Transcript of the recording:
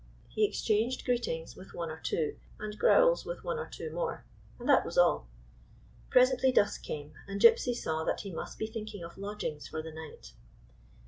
He exchanged greetings with one or two, and growls with one or two more, and that was all. Presently dusk came, and Gypsy saw that he must be thinking of lodgings for the night.